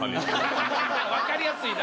分かりやすいな。